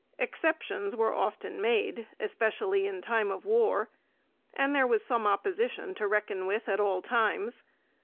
Exceptions were often made, especially in time of war; and there was some opposition to reckon with at all times.